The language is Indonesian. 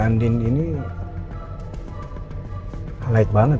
kayaknya nih kakak akan mau sebut